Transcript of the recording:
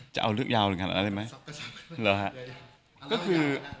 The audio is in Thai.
จะเอาเรื่องยาวลงกันได้มั้ยใช่หรือ